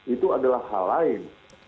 itu adalah hal lain